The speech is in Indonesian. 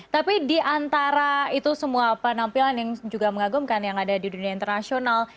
tapi di antara itu semua penampilan yang juga mengagumkan yang ada di dunia internasional